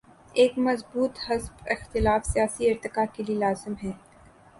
ایک مضبوط حزب اختلاف سیاسی ارتقا کے لیے لازم ہے۔